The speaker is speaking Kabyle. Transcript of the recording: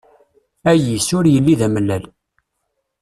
Ayis, ur yelli d amellal.